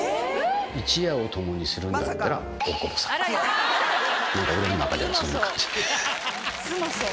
一夜を共にするんだったら大久保さん。